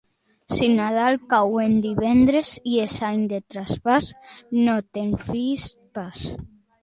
Si Nadal cau en divendres i és any de traspàs, no te'n fiïs pas.